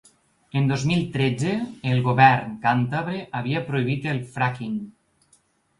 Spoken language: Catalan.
El dos mil tretze, el govern càntabre havia prohibit el ‘fracking’.